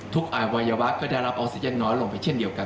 วัยวะก็ได้รับออกซิเจนน้อยลงไปเช่นเดียวกัน